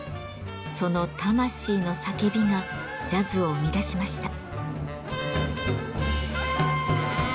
その「魂の叫び」がジャズを生み出しました。